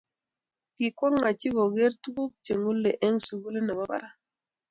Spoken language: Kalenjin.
Kikwong oche koger tukuk che ngulei eng sukulit ne bo barak